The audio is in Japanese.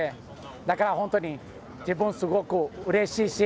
だから本当に自分もすごくうれしいです。